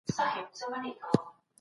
ذهني توازن خبرې اسانه کوي.